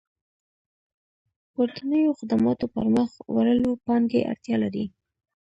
پورتنيو خدماتو پرمخ وړلو پانګې اړتيا لري.